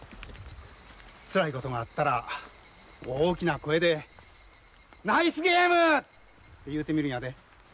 つらいことがあったら大きな声で「ナイスゲーム！」言うてみるんやで。